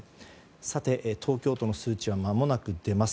さて、東京都の数値はまもなく出ます。